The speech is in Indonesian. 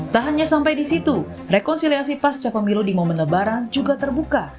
tak hanya sampai di situ rekonsiliasi pasca pemilu di momen lebaran juga terbuka